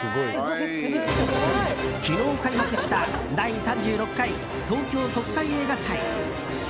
昨日開幕した第３６回東京国際映画祭。